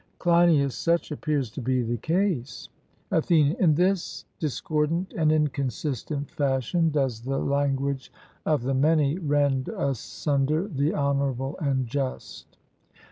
CLEINIAS: Such appears to be the case. ATHENIAN: In this discordant and inconsistent fashion does the language of the many rend asunder the honourable and just.